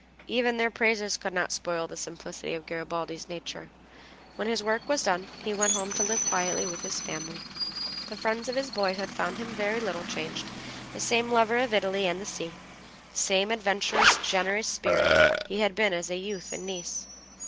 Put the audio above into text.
Even their praises could not spoil the simplicity of Garibaldi's nature. When his work was done he went home to live quietly with his family. The friends of his boyhood found him very little changed, the same lover of Italy and the sea, the same adventurous, generous spirit he had been as a youth in Nice.